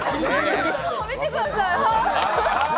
見てください、歯。